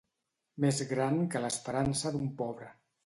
Més gran que l'esperança d'un pobre.